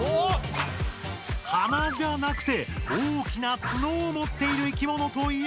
鼻じゃなくて大きなツノをもっているいきものといえば？